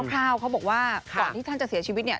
ข้าวเขาบอกว่าก่อนที่ท่านจะเสียชีวิตเนี่ย